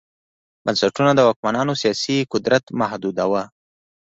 بنسټونه د واکمنانو سیاسي قدرت محدوداوه